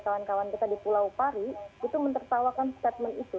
kawan kawan kita di pulau pari itu mentertawakan statement itu